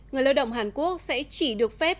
người lợi động hàn quốc sẽ chỉ được phép